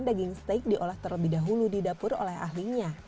daging steak diolah terlebih dahulu di dapur oleh ahlinya